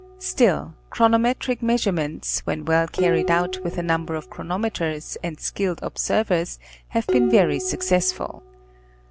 Still, chronometric measurements, when well carried out with a number of chronometers and skilled observers have been very successful.